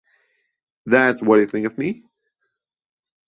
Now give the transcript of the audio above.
That's what you think of me?